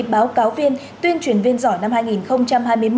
báo cáo viên tuyên truyền viên giỏi năm hai nghìn hai mươi một